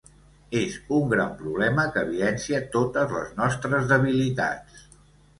És un gran problema que evidencia totes les nostres debilitats.